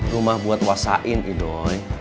rumah buat wasain idoy